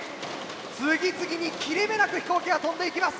次々に切れ目なく飛行機が飛んでいきます。